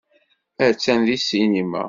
Attan deg ssinima.